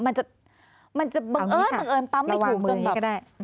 มันจะมันจะบังเอิญบังเอิญปั๊มไม่ถูกเราวางมืออย่างงี้ก็ได้